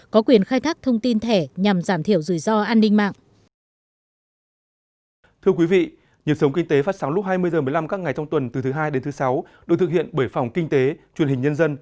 có quyền khai thác thông tin thẻ nhằm giảm thiểu rủi ro an ninh mạng